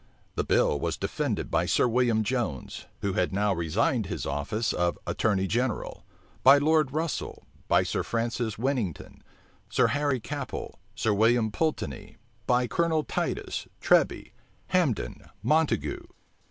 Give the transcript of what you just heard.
The bill was defended by Sir William Jones, who had now resigned his office of attorney general, by Lord Russel, by Sir Francis Winnington, Sir Harry Capel, Sir William Pulteney, by Colonel Titus, Treby, Hambden, Montague.